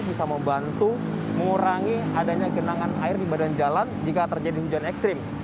bisa membantu mengurangi adanya genangan air di badan jalan jika terjadi hujan ekstrim